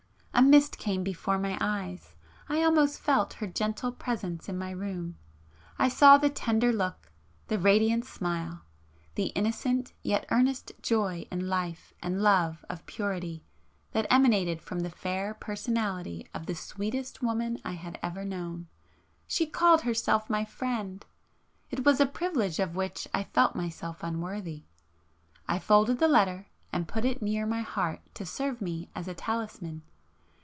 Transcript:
A mist came before my eyes,—I almost felt her gentle presence in my room,—I saw the tender look, the radiant smile,—the innocent yet earnest joy in life and love of purity that emanated from the fair personality of the sweetest woman I had ever known. She called herself my friend!—... it was a privilege of which I felt myself unworthy! I folded the letter and put it near my heart to serve me as a talisman